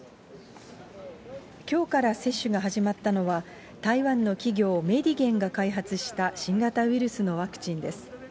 きょうから接種が始まったのは、台湾の企業、メディゲンが開発した新型ウイルスのワクチンです。